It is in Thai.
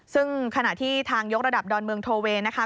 ซึ่งขณะที่ทางยกระดับดอนเมืองโทเวย์นะคะ